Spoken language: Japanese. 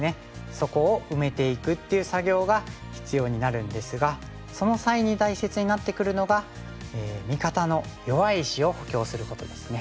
そこを埋めていくっていう作業が必要になるんですがその際に大切になってくるのが味方の弱い石を補強することですね。